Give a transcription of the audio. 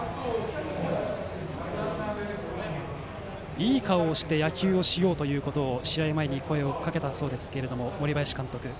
いい顔をして野球をしようということをそのように試合前に声をかけたそうですけれども森林監督。